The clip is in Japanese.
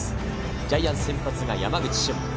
ジャイアンツ先発は山口俊。